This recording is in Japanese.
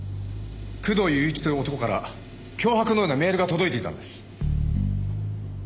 工藤勇一という男から脅迫のようなメールが届いていたんです。